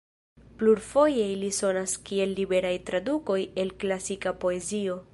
Plurfoje ili sonas kiel liberaj tradukoj el klasika poezio.